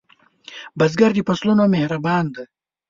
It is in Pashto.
بزګر د فصلونو مهربان دی